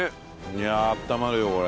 いやあ温まるよこれ。